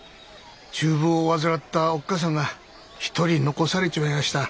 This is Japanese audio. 中風を患ったおっ母さんが一人残されちまいやした。